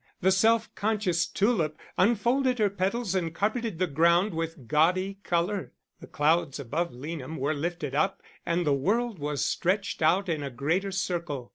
The self conscious tulip unfolded her petals and carpeted the ground with gaudy colour. The clouds above Leanham were lifted up and the world was stretched out in a greater circle.